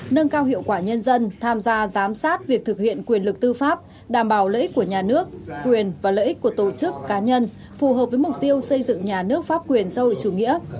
nâng cao hiệu quả nhân dân tham gia giám sát việc thực hiện quyền lực tư pháp đảm bảo lợi ích của nhà nước quyền và lợi ích của tổ chức cá nhân phù hợp với mục tiêu xây dựng nhà nước pháp quyền xã hội chủ nghĩa